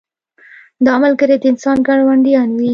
دا ملګري د انسان ګاونډیان وي.